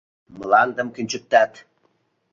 — Мландым кӱнчыктат.